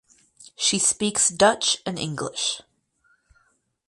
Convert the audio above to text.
She speaks Dutch and English.